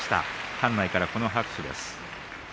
館内から拍手です。